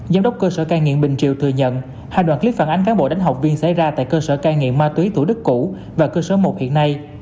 giám đốc cơ sở cai nghiện bình triều thừa nhận hai đoạn clip phản ánh cán bộ đánh học viên xảy ra tại cơ sở cai nghiện ma túy tủ đức cũ và cơ sở một hiện nay